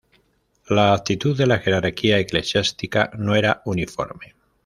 La actitud de la jerarquía eclesiástica no era uniforme.